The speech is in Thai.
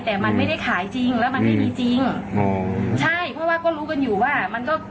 แต่มันไม่ได้ขายจริงแล้วมันไม่มีจริงอ๋อใช่เพราะว่าก็รู้กันอยู่ว่ามันก็